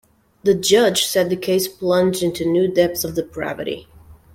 The judge said the case "plunged into new depths of depravity".